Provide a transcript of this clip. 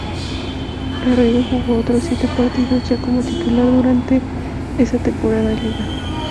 Garrido jugó otros siete partidos, ya como titular durante esa temporada en Liga.